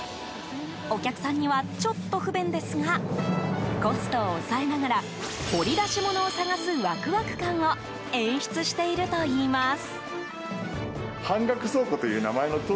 お客さんにはちょっと不便ですがコストを抑えながら掘り出し物を探すワクワク感を演出しているといいます。